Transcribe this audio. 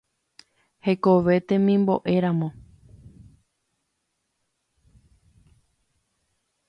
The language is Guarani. Hekove temimbo'éramo.